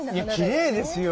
いやきれいですよ。